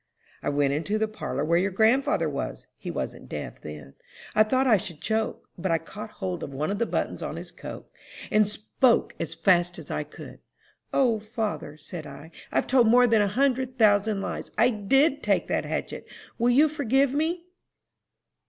"I went into the parlor where your grandfather was he wasn't deaf then. I thought I should choke; but I caught hold of one of the buttons on his coat, and spoke as fast as I could." "'O father,' said I, 'I've told more than a hundred thousand lies. I did take that hatchet! Will you forgive me?'"